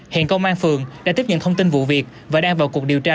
hiện công an phường đã tiếp nhận thông tin vụ việc và đang vào cuộc điều tra